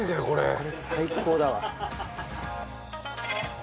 これ最高だわ。